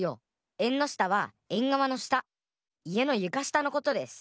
えんのしたはえんがわのしたいえのゆかしたのことです！